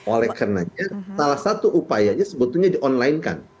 oleh karenanya salah satu upayanya sebetulnya di online kan